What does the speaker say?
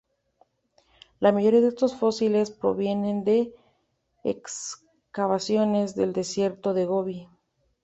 La mayoría de estos fósiles provienen de excavaciones del desierto de Gobi.